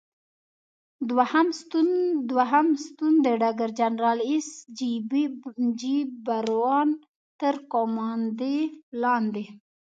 دوهم ستون د ډګر جنرال ایس جې براون تر قوماندې لاندې.